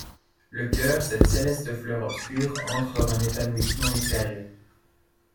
Le cœur, cette céleste fleur obscure, entre dans un épanouissement mystérieux.